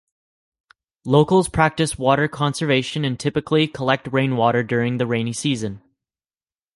Locals practice water conservation and typically collect rainwater during the rainy season.